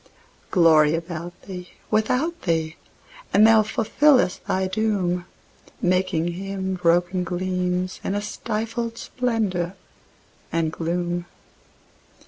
Glory about thee, without thee; and thou fulfillest thy doom, Making Him broken gleams, and a stifled splendour and gloom.